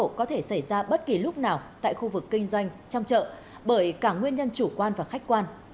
vụ cháy nổ có thể xảy ra bất kỳ lúc nào tại khu vực kinh doanh trong chợ bởi cả nguyên nhân chủ quan và khách quan